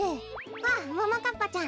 あももかっぱちゃん。